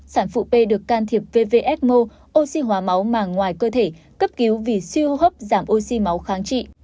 sản phụ b được can thiệp vvsmo oxy hóa máu màng ngoài cơ thể cấp cứu vì suy hô hấp giảm oxy máu kháng trị